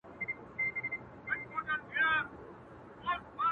اوس يې صرف غزل لولم. زما لونگ مړ دی.